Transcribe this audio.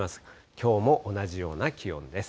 きょうも同じような気温です。